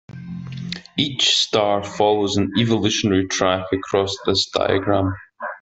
Each star follows an evolutionary track across this diagram.